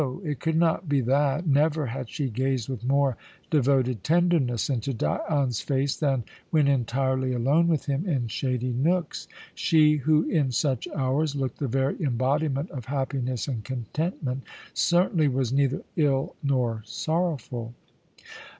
It could not be that; never had she gazed with more devoted tenderness into Dion's face than when entirely alone with him in shady nooks. She who in such hours looked the very embodiment of happiness and contentment, certainly was neither ill nor sorrowful.